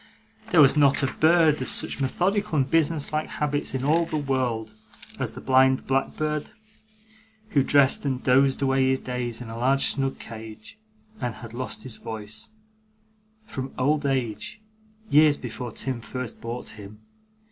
There was not a bird of such methodical and business like habits in all the world, as the blind blackbird, who dreamed and dozed away his days in a large snug cage, and had lost his voice, from old age, years before Tim first bought him.